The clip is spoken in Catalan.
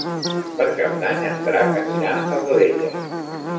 Per Cap d'Any en Drac anirà a Godella.